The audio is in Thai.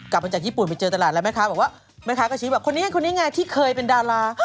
กลับไปจากญี่ปุ่นไปเจอตลาดแล้วแม่ค้าก็ชิบว่าคนี้เงี้ยที่เคยเป็นดารา